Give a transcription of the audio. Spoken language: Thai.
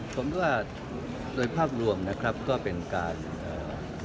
ผมว่าโดยภาพรวมนะครับก็เป็นการเอ่อ